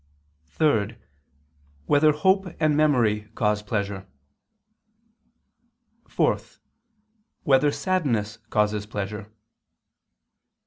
(3) Whether hope and memory cause pleasure? (4) Whether sadness causes pleasure?